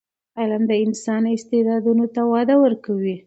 علم د انسان استعدادونو ته وده ورکوي.